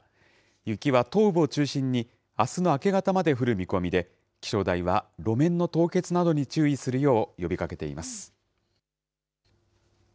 雪は東部を中心にあすの明け方まで降る見込みで、気象台は路面の凍結などに注意するよう呼びかけています。